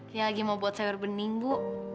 ya lagi mau buat sayur bening bu